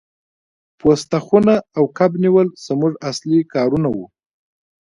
پوسته خونه او کب نیول زموږ اصلي کارونه وو